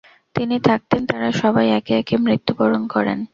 তিনি থাকতেন তারা সবাই একে একে মৃত্যুবরণ করেন।